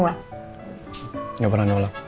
nggak pernah nolak